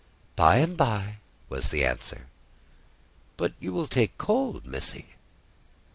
"By and by," was the answer. "But you will take cold, Missy."